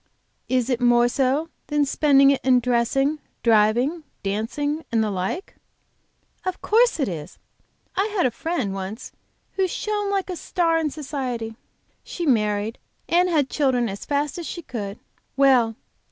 "Is it more so than spending it in dressing, driving, dancing, and the like?" "Of course it is. I had a friend once who shone like a star in society. She married, and children as fast as she could. Well!